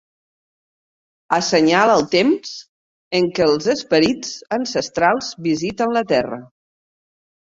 Assenyala el temps en què els esperits ancestrals visiten la Terra.